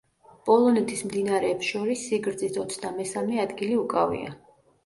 პოლონეთის მდინარეებს შორის სიგრძით ოცდამესამე ადგილი უკავია.